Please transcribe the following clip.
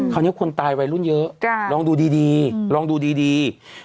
คราวนี้ควรตายวัยรุ่นเยอะลองดูดี